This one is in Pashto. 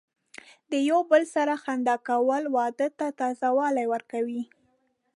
د یو بل سره خندا کول، واده ته تازه والی ورکوي.